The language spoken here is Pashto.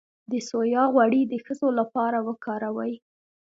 د سویا غوړي د ښځو لپاره وکاروئ